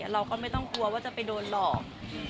เราก็ไม่ต้องกลัวว่าจะไปโดนหลอก